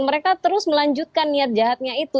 mereka terus melanjutkan niat jahatnya itu